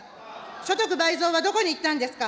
所得倍増はどこに行ったんですか。